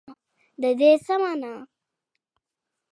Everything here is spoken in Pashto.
د دې مانا څه ده ؟